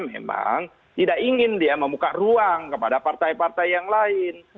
memang tidak ingin dia membuka ruang kepada partai partai yang lain